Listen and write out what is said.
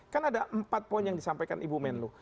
kan ada empat poin yang disampaikan ibu menlu